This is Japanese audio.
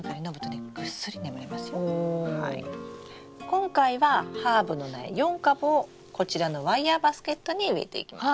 今回はハーブの苗４株をこちらのワイヤーバスケットに植えていきます。